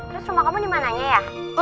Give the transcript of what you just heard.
terus rumah kamu dimananya ya